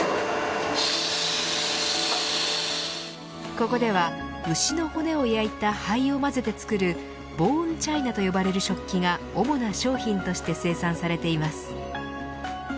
ここでは牛の骨を焼いた灰を混ぜて作るボーンチャイナと呼ばれる食器が主な商品として生産されています。